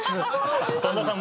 ⁉神田さん